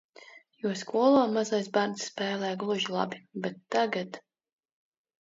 Jo skolā mazais bērns spēlē gluži labi, bet tagad...